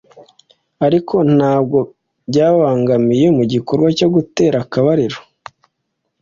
ariko ntabwo byababangamiye mu gikorwa cyogutera akabariro